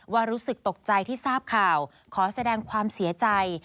รู้สึกตกใจที่ทราบข่าวขอแสดงความเสียใจ